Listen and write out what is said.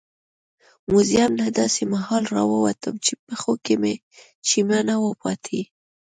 موزیم نه داسې مهال راووتم چې پښو کې شیمه نه وه پاتې.